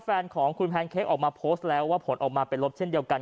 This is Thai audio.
แฟนของคุณแพนเค้กออกมาโพสต์แล้วว่าผลออกมาเป็นลบเช่นเดียวกัน